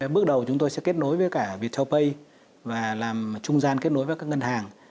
bước đầu chúng tôi sẽ kết nối với cả viettel pay và làm trung gian kết nối với các ngân hàng